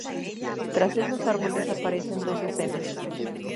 Tras esos árboles aparecen dos escenas.